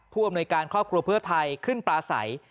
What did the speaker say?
อำนวยการครอบครัวเพื่อไทยขึ้นปลาใส